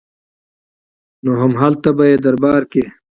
نو هملته به يې دربار کې